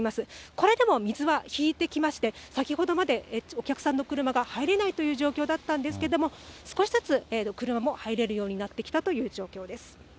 これでも水は引いてきまして、先ほどまでお客さんの車が入れないという状況だったんですけれども、少しずつ車も入れるようになってきたという状況です。